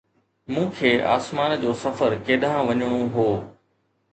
مون کي آسمان جو سفر ڪيڏانهن وڃڻو هو؟